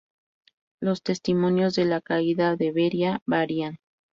Los testimonios de la caída de Beria varían.